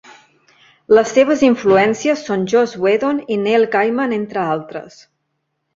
Les seves influències són Joss Whedon i Neil Gaiman, entre altres.